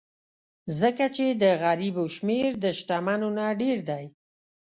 ځکه چې د غریبو شمېر د شتمنو نه ډېر دی.